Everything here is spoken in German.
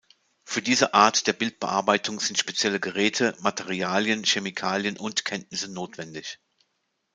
Für diese Art der Bildbearbeitung sind spezielle Geräte, Materialien, Chemikalien und Kenntnisse notwendig.